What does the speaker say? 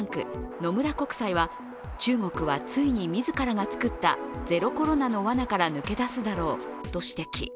野村国際は、中国はついに、自らが作ったゼロコロナのわなから抜け出すだろうと指摘。